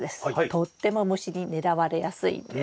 とっても虫に狙われやすいんです。